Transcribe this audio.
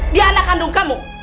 di anak kandung kamu